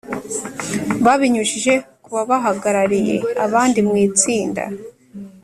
Babinyujije ku babahagarariye abandi mw’itsinda